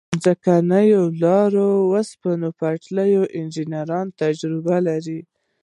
د ځمکنیو لارو او اوسپنې پټلیو انجنیرانو تجربه نه لرله.